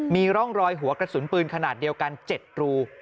มีร่องรอยหัวกระสุนปืนขนาดเดียวกัน๗รู